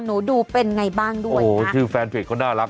ดูเป็นไงบ้างด้วยโอ้โหชื่อแฟนเพจเขาน่ารัก